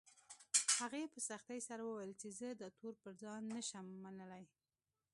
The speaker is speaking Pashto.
هغې په سختۍ سره وويل چې زه دا تور پر ځان نه شم منلی